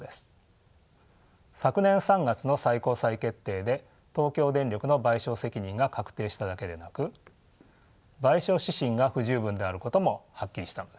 昨年３月の最高裁決定で東京電力の賠償責任が確定しただけでなく賠償指針が不十分であることもはっきりしたのです。